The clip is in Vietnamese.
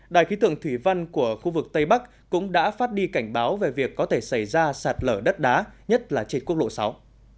đài khí tượng thủy văn của khu vực tây bắc cũng đã phát đi cảnh báo về việc có thể xảy ra sạt lở đất đá nhất là trên quốc lộ sáu